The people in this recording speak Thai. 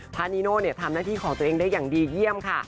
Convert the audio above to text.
นิโน่ทำหน้าที่ของตัวเองได้อย่างดีเยี่ยมค่ะ